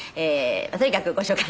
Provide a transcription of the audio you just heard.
とにかくご紹介